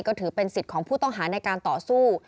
ก็ถือเป็นสิทธิ์ของผู้ต้องหาในการต่อสู้